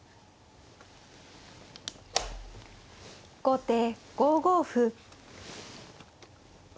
後手５五歩。